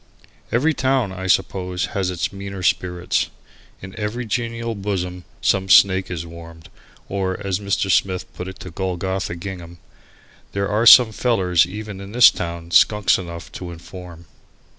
Every town, I suppose, has its meaner spirits. In every genial bosom some snake is warmed, or, as Mr. Smith put it to Golgotha Gingham "there are some fellers even in this town skunks enough to inform."